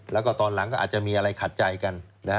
แล้วก็ตอนหลังก็อาจจะมีอะไรขัดใจกัน